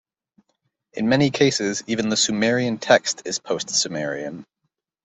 In many cases, even the Sumerian text is post-Sumerian.